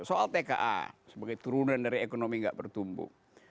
soal tka sebagai turunan dari ekonomi gak bertumbuh